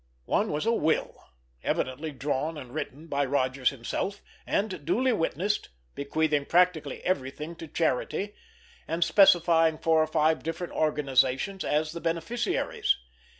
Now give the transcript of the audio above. One was a will, evidently drawn and written by Rodgers himself, and duly witnessed, bequeathing practically everything to charity, and specifying four or five different organizations as the beneficiaries.